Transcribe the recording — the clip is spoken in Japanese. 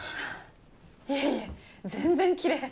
いえいえ全然きれい。